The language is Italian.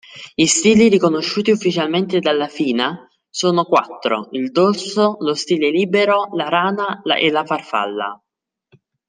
Gli stili riconosciuti ufficialmente dalla FINA sono quattro: il dorso, lo stile libero, la rana e la farfalla.